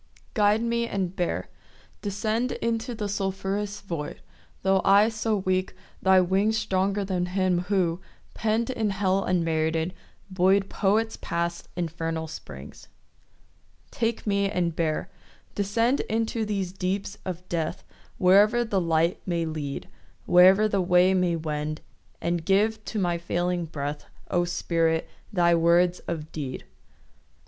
Guide me and bear. Descend Into the sulphurous void— Tho' I so weak, thy wings Stronger than him who, pen'd In hell unmerited, buoy'd Poets past infernal springs. Take me and bear. Descend Into these deeps of death, Wherever the light may lead, Wherever the way may wend; And give to my failing breath, O Spirit, thy words of deed.